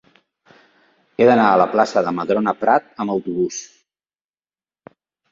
He d'anar a la plaça de Madrona Prat amb autobús.